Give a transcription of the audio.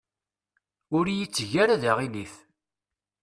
Ur iyi-tteg ara d aɣilif.